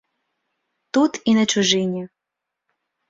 Тут і на чужыне.